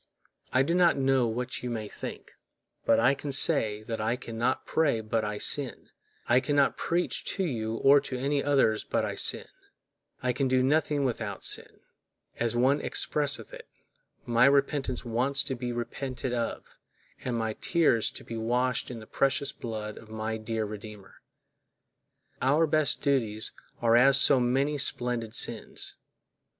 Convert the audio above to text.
I do not know what you may think, but I can say that I can not pray but I sin—I can not preach to you or to any others but I sin—I can do nothing without sin; as one expresseth it, my repentance wants to be repented of, and my tears to be washed in the precious blood of my dear Redeemer.Our best duties are as so many splendid sins.